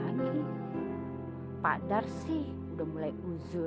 gak bisa terus sepanjang tram someway pharisee